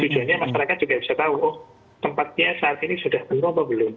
tujuannya masyarakat juga bisa tahu oh tempatnya saat ini sudah penuh atau belum